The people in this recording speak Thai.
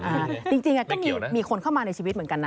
ไม่เกี่ยวนะจริงก็มีคนเข้ามาในชีวิตเหมือนกันนะ